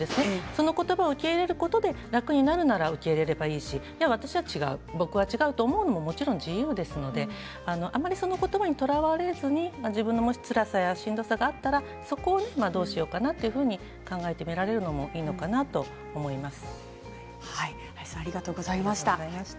その言葉を受け入れることで楽になるなら受け入れればいいし私は違う、僕は違うというのももちろん自由ですのであまりその言葉にとらわれずに自分のつらさやしんどさがあったらそこにどうしようかなというふうに考えてみられるのも林さんありがとうございました。